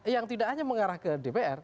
yang tidak hanya mengarah ke dpr